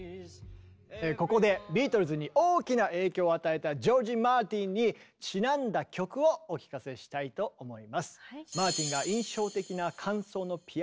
ここでビートルズに大きな影響を与えたジョージ・マーティンにちなんだ曲をお聴かせしたいと思います。